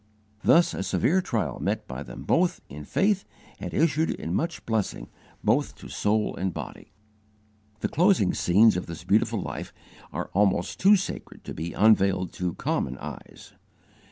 Thus a severe trial met by them both in faith had issued in much blessing both to soul and body. The closing scenes of this beautiful life are almost too sacred to be unveiled to common eyes.